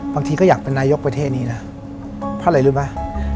บางทีก็อยากเป็นนายกประเทศนี้นะเพราะอะไรรู้ป่ะ